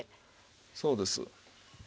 そうです。